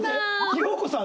洋子さん